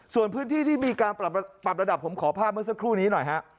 ส่วนพื้นที่ที่มีการปรับระดับผมขอภาพเมื่อสักครู่นี้หน่อยฮะ